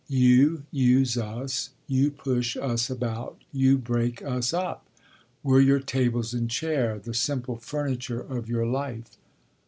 You use us, you push us about, you break us up. We're your tables and chair, the simple furniture of your life."